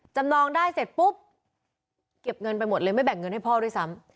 นองได้เสร็จปุ๊บเก็บเงินไปหมดเลยไม่แบ่งเงินให้พ่อด้วยซ้ำ